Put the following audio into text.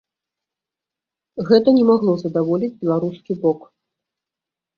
Гэта не магло задаволіць беларускі бок.